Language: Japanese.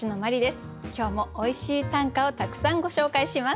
今日もおいしい短歌をたくさんご紹介します。